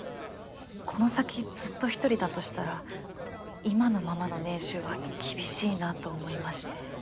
この先ずっと１人だとしたら今のままの年収は厳しいなと思いまして。